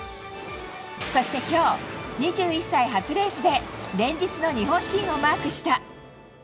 そして、今日２１歳初レースで連日の日本新をマークした。